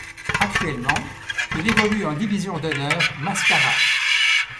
Actuellement, il évolue en Division d'Honneur Mascara.